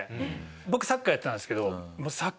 僕サッカーやってたんですけどはい楽久。